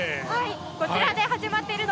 こちらで始まっているの？